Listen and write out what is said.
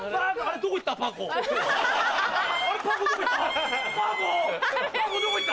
どこ行った？